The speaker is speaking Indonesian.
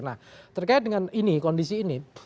nah terkait dengan ini kondisi ini